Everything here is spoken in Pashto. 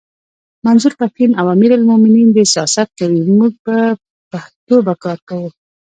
منظور پښتین او امیر المومنین دي سیاست کوي موږ به پښتو به کار کوو!